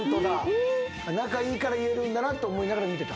仲いいから言えるんだなと思いながら見てた？